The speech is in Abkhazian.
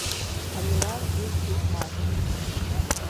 Амиран ус ихәмаршьан!